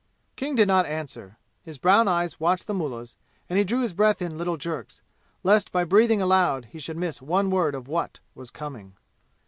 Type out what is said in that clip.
King did not answer. His brown eyes watched the mullah's, and he drew his breath in little jerks, lest by breathing aloud he should miss one word of what, was coming.